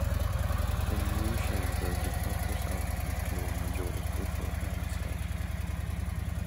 The new chamber did not result in a clear majority for any side.